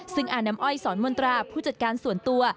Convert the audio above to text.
ซึ่งอาน้ำอ้อยสอนมนตราผู้จัดการส่วนตัว